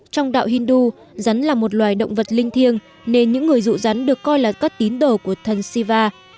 trong đạo hindu rắn là một loài động vật linh thiêng nên những người rụ rắn được coi là các tín đồ của thần siva